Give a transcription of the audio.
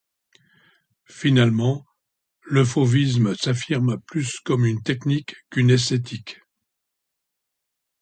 Finalement, le fauvisme s'affirme plus comme une technique qu'une esthétique.